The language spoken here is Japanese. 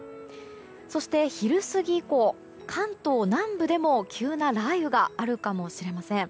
そして、昼過ぎ以降関東南部でも急な雷雨があるかもしれません。